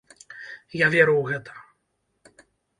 Я веру ў гэта.